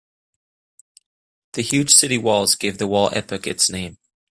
The huge city walls gave the wall epoch its name.